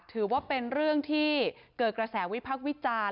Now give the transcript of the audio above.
ถือว่าเป็นเรื่องที่เกิดกระแสวิพักษ์วิจารณ์